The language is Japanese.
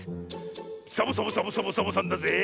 サボサボサボサボサボさんだぜえ！